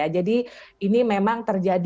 jadi ini memang terjadi